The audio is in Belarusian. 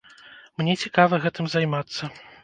Мне цікава гэтым займацца.